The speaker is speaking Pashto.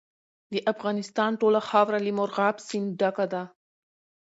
د افغانستان ټوله خاوره له مورغاب سیند ډکه ده.